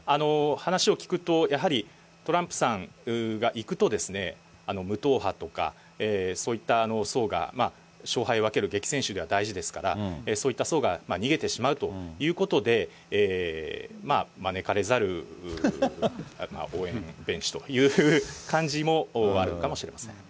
話を聞くと、やはりトランプさんが行くと、無党派とか、そういった層が、勝敗を分ける激戦州では大事ですから、そういった層が逃げてしまうということで、招かれざる応援という感じもあるのかもしれません。